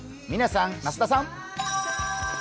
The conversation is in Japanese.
嶺さん、増田さん！